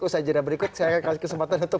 usaha jadwal berikut saya akan kasih kesempatan untuk